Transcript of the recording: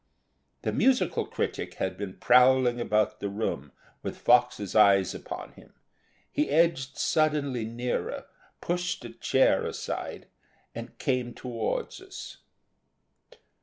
The musical critic had been prowling about the room with Fox's eyes upon him. He edged suddenly nearer, pushed a chair aside, and came toward us.